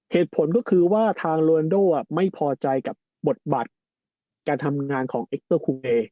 เหตุผลก็คือว่าทางโรนโดไม่พอใจกับบทบัตรการทำงานของเอ็กเตอร์คุมเอ